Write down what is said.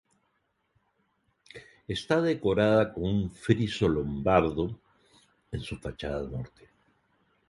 Está decorada con un friso lombardo en su fachada norte.